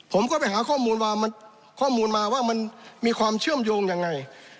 ผมก็ไปหาข้อมูลมาข้อมูลมาว่ามันมีความเชื่อมโยงยังไง